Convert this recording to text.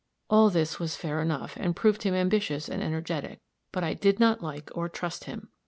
All this was fair enough, and proved him ambitious and energetic; but I did not like or trust him.